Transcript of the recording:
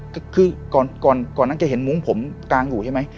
ก็คือก่อนนั้นแกเห็นมุ้งผมกางอยู่ใช่ไหม